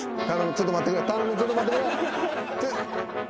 ちょっと待ってくれ。